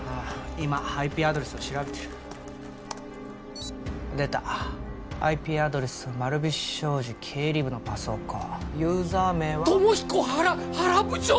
今ＩＰアドレスを調べてる出たＩＰアドレスは丸菱商事経理部のパソコンユーザー名はＴＯＭＯＨＩＫＯＨＡＲＡ原部長！